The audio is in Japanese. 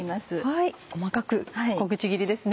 細かく小口切りですね。